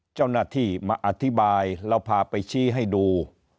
เจ้าหน้าที่มาอธิบายแล้วพาไปชี้ให้ดู